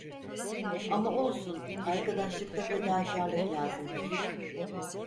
Ama olsun, arkadaşlıkta fedakârlık lazımdır!